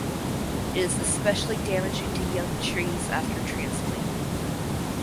It is especially damaging to young trees after transplanting.